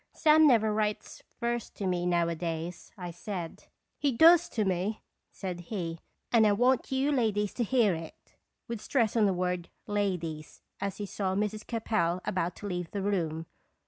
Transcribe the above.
Sam never writes verse to me now adays," I said. " He does to me," said he; " and I want you ladies to hear it," with stress on the word " ladies," as he saw Mrs. Capel about to leave the room.